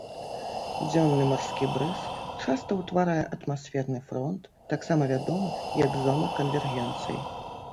Дзённы марскі брыз часта ўтварае атмасферны фронт, таксама вядомы як зона канвергенцыі.